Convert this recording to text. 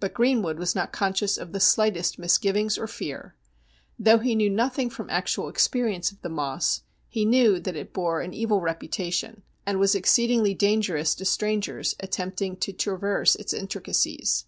But Greenwood was not conscious of the slightest misgivings or fear. Though he knew nothing from actual ex perience of the Moss, he knew that it bore an evil reputation, and was exceedingly dangerous to strangers attempting to traverse its intricacies.